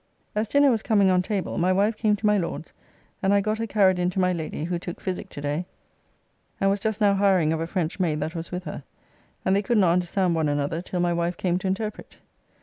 As dinner was coming on table, my wife came to my Lord's, and I got her carried in to my Lady, who took physic to day, and was just now hiring of a French maid that was with her, and they could not understand one another till my wife came to interpret.